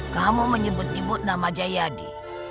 kamu menyebut nyebut nama jayadi